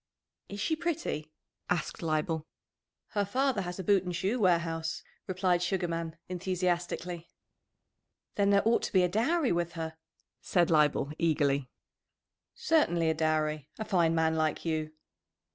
"Is she pretty?" asked Leibel. "Her father has a boot and shoe warehouse," replied Sugarman enthusiastically. "Then there ought to be a dowry with her," said Leibel eagerly. "Certainly a dowry! A fine man like you!"